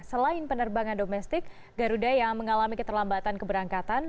selain penerbangan domestik garuda yang mengalami keterlambatan keberangkatan